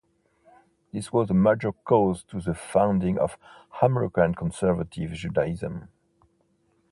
This was a major cause of the founding of American Conservative Judaism.